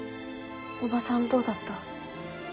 おばさんどうだった？